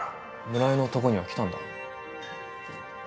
村井のとこには来たんだ？